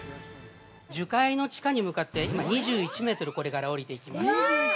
◆樹海の地下に向かって２１メートルこれから下りていきます。